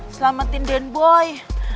selamatin den boy